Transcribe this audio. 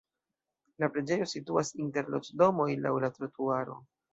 La preĝejo situas inter loĝdomoj laŭ la trotuaro.